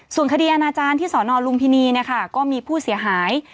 ส่วนคดีอาณาจารย์ที่สนลุมพินีก็มีผู้เสียหาย